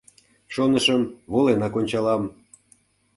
Шонышым: воленак ончалам.